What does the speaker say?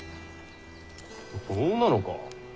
そうなのか。